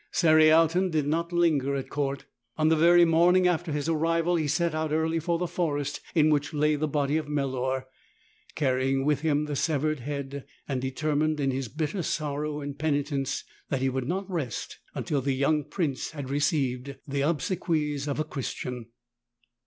Cerialton did not linger at court. On the very morning after his arrival he set out early for the forest in which lay the body of Melor, carrying with him the severed head, and determined in his bitter sorrow and penitence that he would not rest until the young prince had received the obsequies of a Christian.